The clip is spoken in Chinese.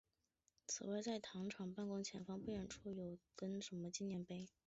此外在糖厂办公室前方不远处摆有蒋公堤碑与压路滚轮纪念碑。